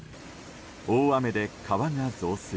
大雨で川が増水。